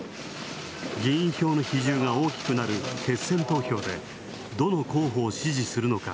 議員票の批准が大きくなる決選投票で、どの候補を支持するのか